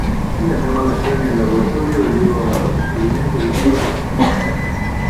Una llamada extraña al laboratorio lleva a un descubrimiento de un cuerpo femenino.